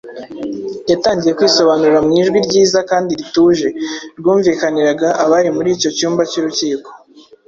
yatangiye kwisobanura mu ijwi ryiza kandi rituje rwumvikaniraga abari muri icyo cyumba cy’urukiko.